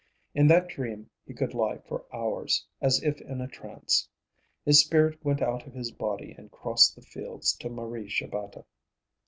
In that dream he could lie for hours, as if in a trance. His spirit went out of his body and crossed the fields to Marie Shabata.